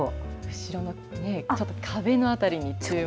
後ろの、ちょっと、壁の辺りに注目。